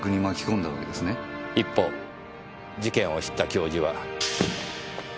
一方事件を知った教授は。